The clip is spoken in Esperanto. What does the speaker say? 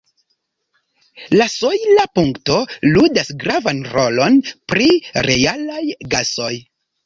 La sojla punkto ludas gravan rolon pri realaj gasoj.